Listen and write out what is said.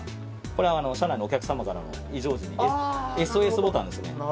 これ、車内のお客様からの非常時に、ＳＯＳボタンですね。